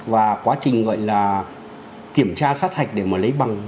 và quá trình gọi là kiểm tra sát hạch để mà lấy bằng